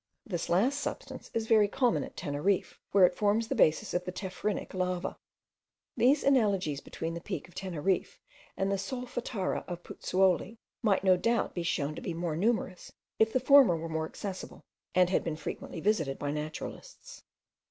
This last substance is very common at Teneriffe, where it forms the basis of the tephrinic lava. These analogies between the peak of Teneriffe and the Solfatara of Puzzuoli, might no doubt be shown to be more numerous, if the former were more accessible, and had been frequently visited by naturalists.